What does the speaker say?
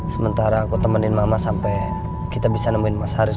sementara aku temenin mama sampai kita bisa nemuin mas haris